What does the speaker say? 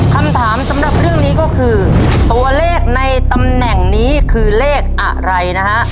คำถามสำหรับเรื่องนี้ก็คือตัวเลขในตำแหน่งนี้คือเลขอะไรนะฮะ